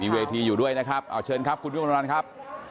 มีเวทีอยู่ด้วยเอาเชิญครับคุณวิวงรรณครับ